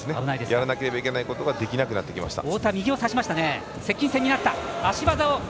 やらなければいけないことができなくなってきました。